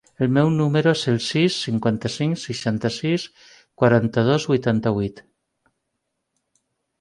El meu número es el sis, cinquanta-cinc, seixanta-sis, quaranta-dos, vuitanta-vuit.